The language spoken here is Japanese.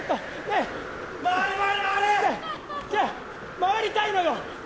回りたいのよ！